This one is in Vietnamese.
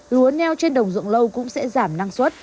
lúa neo trên đồng ruộng lâu cũng sẽ giảm năng suất